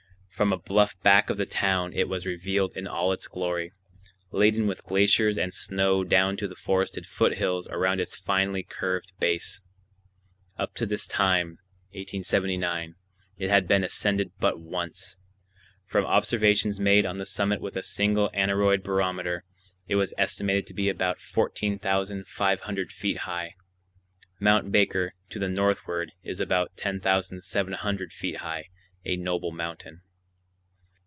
From a bluff back of the town it was revealed in all its glory, laden with glaciers and snow down to the forested foothills around its finely curved base. Up to this time (1879) it had been ascended but once. From observations made on the summit with a single aneroid barometer, it was estimated to be about 14,500 feet high. Mt. Baker, to the northward, is about 10,700 feet high, a noble mountain.